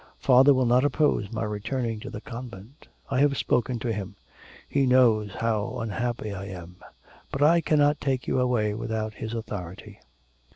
'Father will not oppose my returning to the convent, I have spoken to him. He knows how unhappy I am.' 'But I cannot take you away without his authority.'